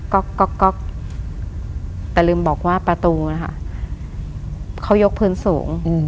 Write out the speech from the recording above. ก็แต่ลืมบอกว่าประตูนะคะเขายกพื้นสูง